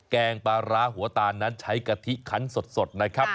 แกงปลาร้าหัวตาลนั้นใช้กะทิคันสดนะครับ